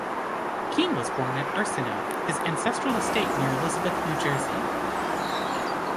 Kean was born at "Ursino", his ancestral estate near Elizabeth, New Jersey.